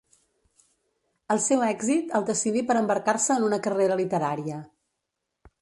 El seu èxit el decidí per embarcar-se en una carrera literària.